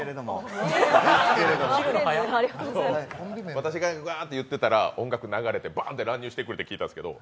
私がわっと言ってたら音楽流れてばっと乱入してくるって聞いてたんですけど